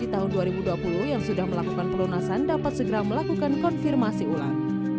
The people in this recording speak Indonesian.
di tahun dua ribu dua puluh yang sudah melakukan pelunasan dapat segera melakukan konfirmasi ulang